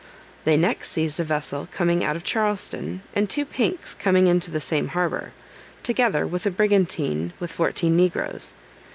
They next seized a vessel coming out of Charleston, and two pinks coming into the same harbor, together with a brigantine with fourteen negroes.